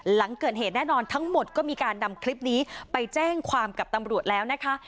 หลังเกิดเหตุแน่นอนทั้งหมดก็มีการนำคลิปนี้ไปแจ้งความกับตำรวจแล้วนะคะ